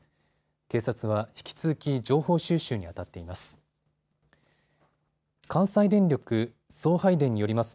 警察は引き続き情報収集にあたっています。